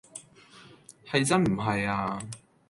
係真唔係呀